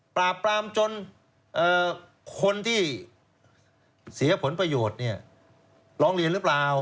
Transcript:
ปราบปรามจนคนที่เสียผลประโยชน์เนี่ยร้องเรียนหรือเปล่า